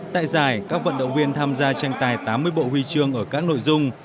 tại giải các vận động viên tham gia tranh tài tám mươi bộ huy chương ở các nội dung